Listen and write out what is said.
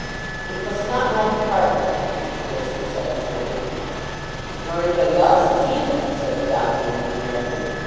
"It vas not my department, Mr. Fisker," said the German. "Nor anybody else's either," said the domineering American.